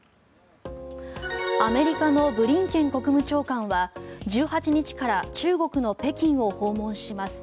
アメリカのブリンケン国務長官は１８日から中国の北京を訪問します。